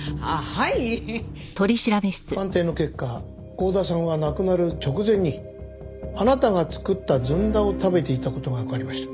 鑑定の結果郷田さんは亡くなる直前にあなたが作ったずんだを食べていた事がわかりました。